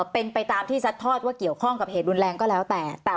เป็นไปตามที่ซัดทอดว่าเกี่ยวข้องกับเหตุรุนแรงก็แล้วแต่